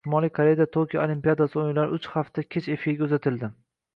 Shimoliy Koreyada Tokio Olimpiadasi o‘yinlari uch hafta kech efirga uzatildi